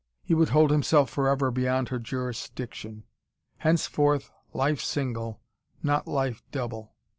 He would hold himself forever beyond her jurisdiction. Henceforth, life single, not life double.